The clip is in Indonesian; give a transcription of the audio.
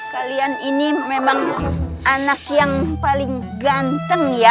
kalian ini memang anak yang paling ganteng ya